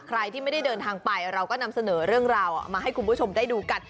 ใครที่ไม่ได้เดินทางไปเราก็นำเสนอเรื่องราวมาให้คุณผู้ชมได้ดูกัน